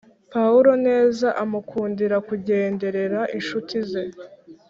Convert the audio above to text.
Pawulo neza amukundira kugenderera incuti ze